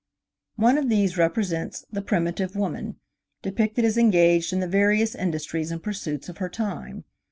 One of these represents "The Primitive Woman," depicted as engaged in the various industries and pursuits of her time.